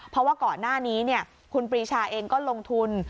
เพราะว่าก่อนหน้านี้คุณปรีชาเองก็ลงทุน